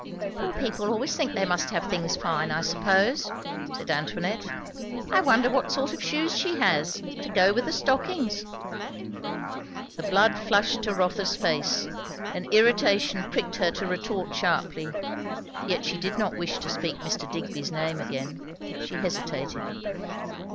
"Poor people always think they must have things fine, I suppose," said Antoinette. "I wonder what sort of shoes she has, to go with the stockings?" The blood flushed to Rotha's face; and irritation pricked her to retort sharply; yet she did not wish to speak Mr. Digby's name again. She hesitated.